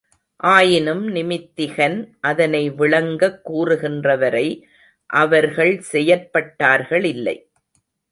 ஆயினும் நிமித்திகன் அதனை விளங்கக் கூறுகின்றவரை அவர்கள் செயற்பட்டார்களில்லை.